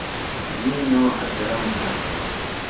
می نو اکرم نہ۔